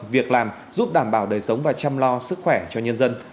việc làm giúp đảm bảo đời sống và chăm lo sức khỏe cho nhân dân